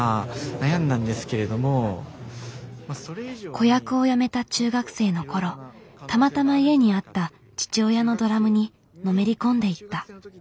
子役を辞めた中学生の頃たまたま家にあった父親のドラムにのめり込んでいった。